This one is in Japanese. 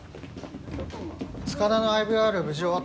塚田のＩＶＲ無事終わったぞ。